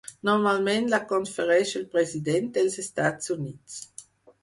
Normalment la confereix el President dels Estats Units.